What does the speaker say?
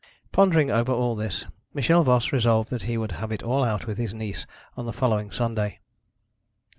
Pondering over all this, Michel Voss resolved that he would have it all out with his niece on the following Sunday.